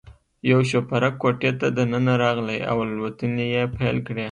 یو شوپرک کوټې ته دننه راغلی او الوتنې یې پیل کړې.